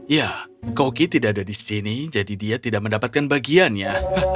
ya koki tidak ada di sini jadi dia tidak mendapatkan bagian ya